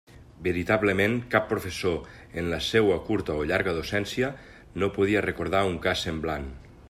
Veritablement cap professor en la seua curta o llarga docència no podia recordar un cas semblant.